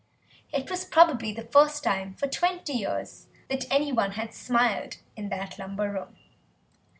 It was probably the first time for twenty years that anyone had smiled in that lumber room.